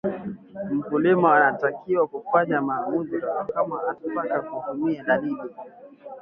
Mkulima anatakiwa kufanya maamuzi kama atataka kutumia dalali